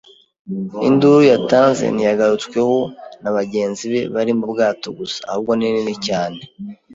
Induru yatanze ntiyagarutsweho na bagenzi be bari mu bwato gusa ahubwo ni nini cyane